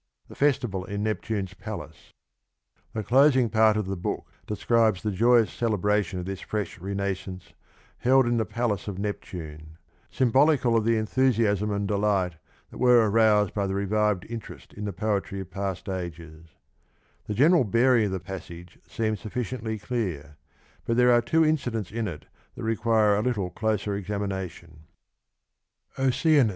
The closing part of the book describes the joyous The temivaiin celebration of this fresh renaissance held in the palace paiace, of Neptune, symbolical of the enthusiasm and delight that were aroused by the revived interest in the poetry of past ages. The general bearing of the passage seems sufficiently clear, but there are two incidents in it that require a little closer examination.